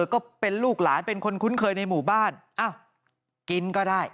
ก็เป็นลูกหลานเป็นคนคุ้นเคยในหมู่บ้านอ้าวกินก็ได้